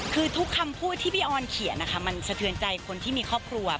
คือทุกคำพูดที่พี่ออนเขียนนะคะมันสะเทือนใจคนที่มีครอบครัว